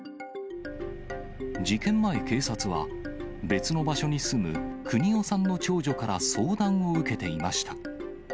事件前、警察は別の場所に住む邦雄さんの長女から相談を受けていました。